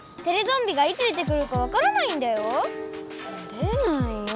出ないよ。